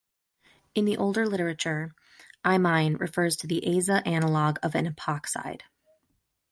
In the older literature, imine refers to the aza analogue of an epoxide.